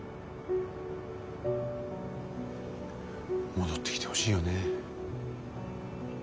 戻ってきてほしいよね。